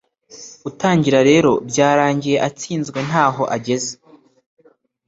utangira rero byarangiye atsinzwe ntaho ageze